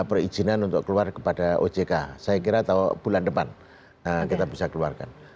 perizinan untuk keluar kepada ojk saya kira atau bulan depan kita bisa keluarkan